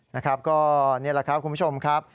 นะครับก็นี่แหละครับคุณผู้ชมครับ